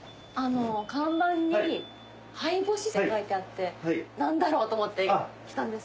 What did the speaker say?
看板に「灰干し」って書いてあって何だろうと思って来たんです。